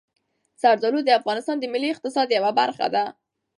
زردالو د افغانستان د ملي اقتصاد یوه برخه ده.